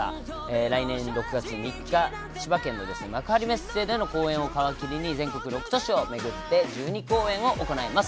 来年に千葉県の幕張メッセでの公演を皮切りに、全国６都市を巡って１２公演を行います。